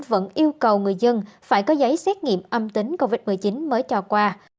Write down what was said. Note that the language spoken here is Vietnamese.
vẫn yêu cầu người dân phải có giấy xét nghiệm âm tính covid một mươi chín mới cho qua